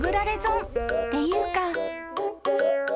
［っていうか］